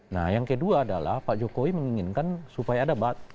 nah yang kedua adalah pak jokowi menginginkan supaya ada bat